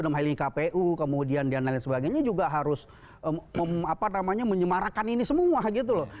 dalam hal ini kpu kemudian dan lain sebagainya juga harus menyemarakan ini semua gitu loh